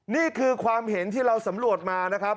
นี่คือความเห็นที่เราสำรวจมานะครับ